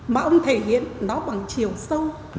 mà ông thể hiện nó bằng chiều sâu